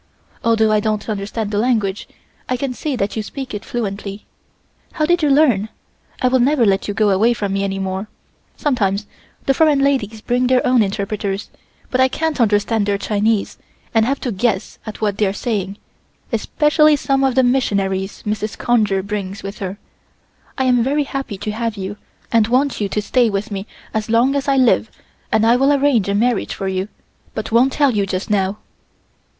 Although I don't understand the language, I can see that you speak it fluently. How did you learn? I will never let you go away from me any more. Sometimes the foreign ladies bring their own interpreters, but I can't understand their Chinese and have to guess at what they are saying, especially some of the missionaries Mrs. Conger brings with her. I am very happy to have you and want you to stay with me as long as I live and I will arrange a marriage for you, but won't tell you just now."